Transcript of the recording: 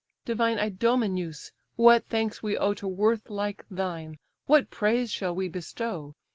"Divine Idomeneus! what thanks we owe To worth like thine! what praise shall we bestow?